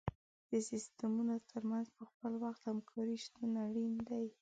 د سیستمونو تر منځ په خپل وخت همکاري شتون اړین دی.